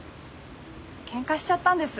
ケンカしちゃったんです。